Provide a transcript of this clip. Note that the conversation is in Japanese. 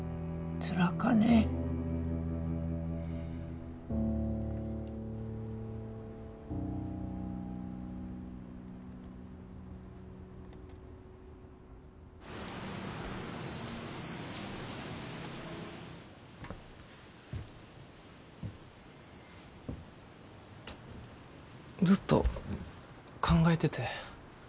ずっと考えてて。